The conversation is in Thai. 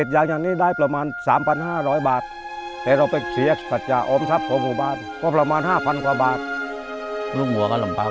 ยากวารับ